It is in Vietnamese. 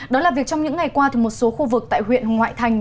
đó là việc trong những ngày qua thì một số khu vực tại huyện ngoại thành